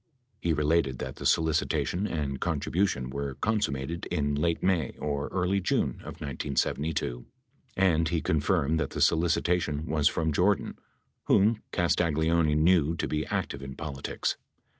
He related that the solicitation and contribution were consummated in late May or early J une of 1972, and he confirmed that the solicitation was from Jordan, whom Castagleoni knew to be active in politics.